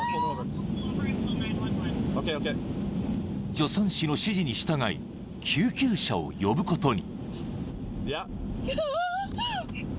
［助産師の指示に従い救急車を呼ぶことに］